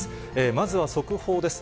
まずは速報です。